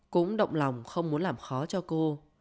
cũng động lòng không muốn làm khó cho cô